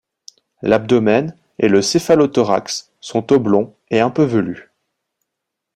L'abdomen et le céphalothorax sont oblongs et un peu velus.